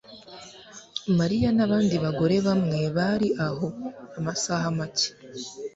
Mariya nabandi bagore bamwe bari hano amasaha make